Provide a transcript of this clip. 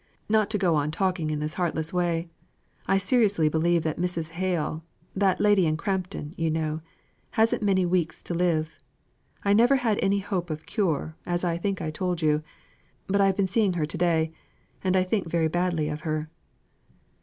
Not to go on talking in this heartless way, I seriously believe that Mrs. Hale that lady in Crampton, you know hasn't many weeks to live. I never had any hope of cure, as I think I told you; but I've been seeing her to day, and I think very badly of her."